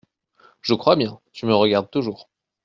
Je crois bien ! tu me regardes toujours.